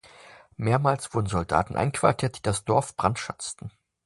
Mehrmals wurden Soldaten einquartiert, die das Dorf brandschatzten.